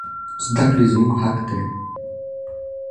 زدکړي زموږ حق دي